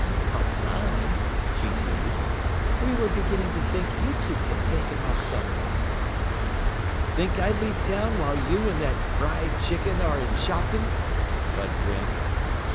"About time!" she teased. "We were beginning to think you two had taken off somewhere." "Think I'd leave town while you and that fried chicken are in Shopton?" Bud grinned.